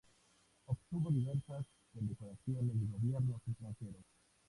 Obtuvo diversas condecoraciones de gobiernos extranjeros.